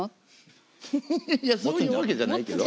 いやそういうわけじゃないけど。